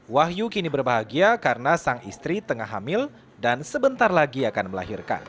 wahyu kini berbahagia karena sang istri tengah hamil dan sebentar lagi akan melahirkan